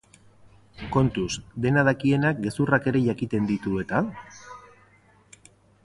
Kontuz, dena dakienak gezurrak ere jakiten ditu eta?